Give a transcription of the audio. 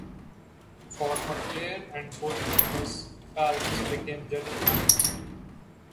Former player and coach Thomas Parits became general manager.